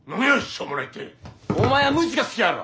お前は鞭が好きやろ！